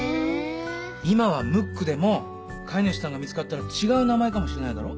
今はムックでも飼い主さんが見つかったら違う名前かもしれないだろ？